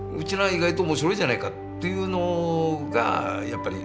意外と面白いじゃないかっていうのがやっぱり。